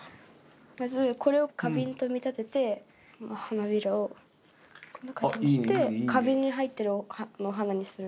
まず、これを花瓶と見立てて、花びらをこんな感じにして、花瓶に入ってるお花にする。